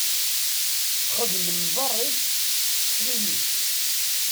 Xedm nnḍeṛ-ik, teṭṭefḍ imi-k!